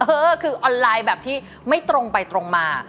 เออคือออนไลน์แบบที่ไม่ตรงไปตรงมา